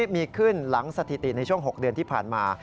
มีขึ้นหลังสถิติในช่วง๖เดือนที่ผ่านมา